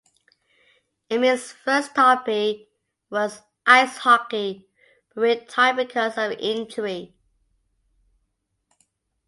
Emil's first hobby was ice hockey, but he retired because of an injury.